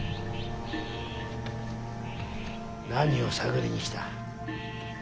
何を探りに来た。